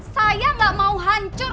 saya gak mau hancur